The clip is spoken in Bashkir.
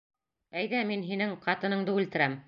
Әйҙә, мин һинең... ҡатыныңды үлтерәм!